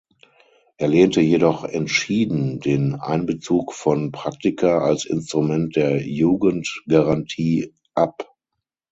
Er lehnte jedoch entschieden den Einbezug von Praktika als Instrument der Jugendgarantie ab.